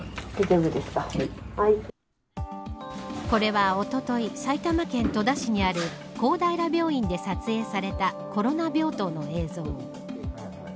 これは、おととい埼玉県戸田市にある公平病院で撮影されたコロナ病棟の映像。